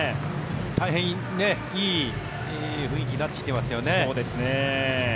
大変いい雰囲気になってきていますよね。